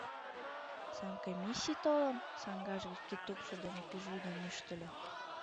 — Санкомиссий толын? — саҥгаж гыч кидтупшо дене пӱжвӱдым ӱштыльӧ.